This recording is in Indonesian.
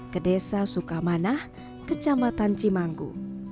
ke desa sukamanah ke jambatan cimanggu